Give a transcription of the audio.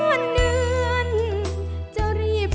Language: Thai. เพลงที่สองเพลงมาครับ